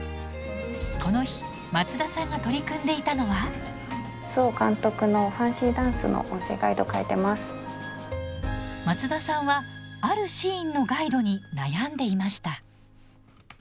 この日松田さんが取り組んでいたのは松田さんはあるシーンのガイドに悩んでいました。